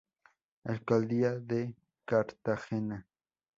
Alcaldía de Cartagena.